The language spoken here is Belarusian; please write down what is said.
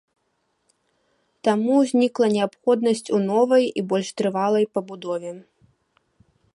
Таму ўзнікла неабходнасць у новай і больш трывалай пабудове.